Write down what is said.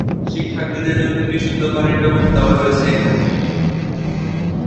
শিক্ষার্থীদের জন্য বিশুদ্ধ পানির ব্যবস্থা ও রয়েছে এখানে।